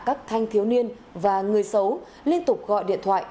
các thanh thiếu niên và người xấu liên tục gọi điện thoại